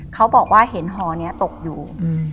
เขาบอกว่าเห็นหอนี้ตกอยู่